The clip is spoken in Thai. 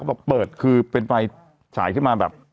บอกเปิดคือเป็นไฟฉายขึ้นมาแบบ